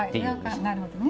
なるほどね。